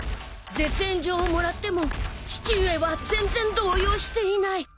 ［絶縁状をもらっても父上は全然動揺していない］